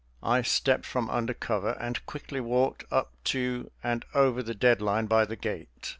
I stepped from under cover and quickly walked up to and over the dead line by the gate.